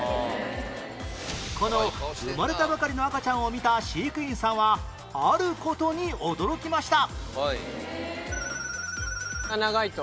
この生まれたばかりの赤ちゃんを見た飼育員さんはある事に驚きました